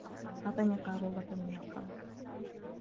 أعطني قارورة من الخمر.